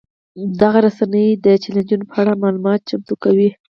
دغه رسنۍ د چلنجونو په اړه معلومات چمتو کوي.